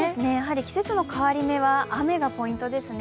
季節の変わり目は雨がポイントですね。